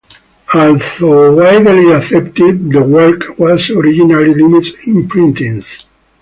Although widely accepted, the work was originally limited in printings.